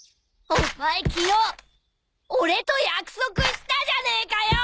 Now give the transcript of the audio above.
お前昨日俺と約束したじゃねえかよ！